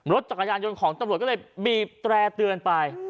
รถจักรยานยนต์ของตำรวจก็เลยบีบแตร่เตือนไป